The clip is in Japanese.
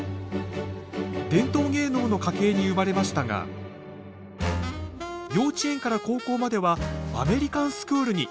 伝統芸能の家系に生まれましたが幼稚園から高校まではアメリカンスクールに。